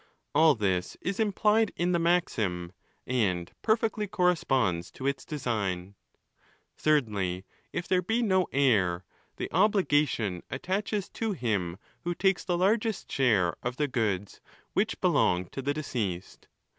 All this is implied in the maxim, and perfectly corresponds to its design. Thirdly, if there be no heir, the obligation attaches to him who takes the largest share of the goods which belonged to the deceased.